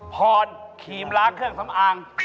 ภรรณ์คิมร้าเครื่องสำอางส์